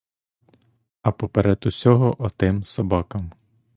А поперед усього отим собакам!